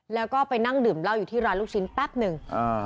แล้วก็ไปนั่งดื่มเหล้าอยู่ที่ร้านลูกชิ้นแป๊บหนึ่ง